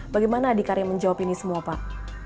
bagaimana adikarya menjawab ini semua pak